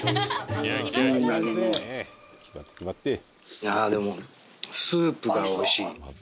いやでもスープがおいしい。